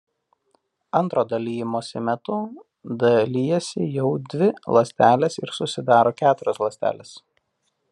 Antro dalijimosi metu dalijasi jau dvi ląstelės ir susidaro keturios ląstelės.